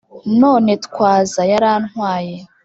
« none twaza » yarantwaye